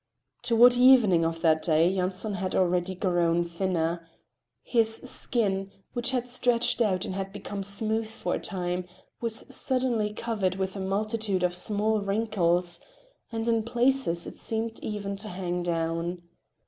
Toward evening of that day Yanson had already grown thinner. His skin, which had stretched out and had become smooth for a time, was suddenly covered with a multitude of small wrinkles, and in places it seemed even to hang down.